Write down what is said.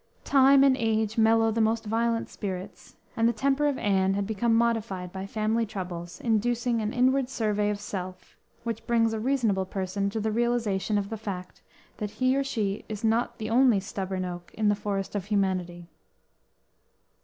Time and age mellow the most violent spirits; and the temper of Anne had become modified by family troubles, inducing an inward survey of self, which brings a reasonable person to the realization of the fact that he or she is not the only stubborn oak in the forest of humanity.